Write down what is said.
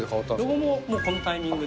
ロゴもこのタイミングで。